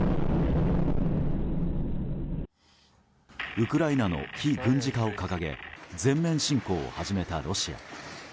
ウクライナの非軍事化を掲げ全面侵攻を始めたロシア。